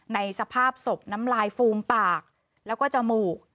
ในสภาพศพน้ำลายฟูมปากแล้วก็จมูก